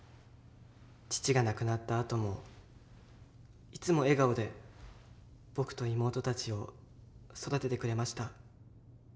父が亡くなったあともいつも笑顔で僕と妹たちを育ててくれました。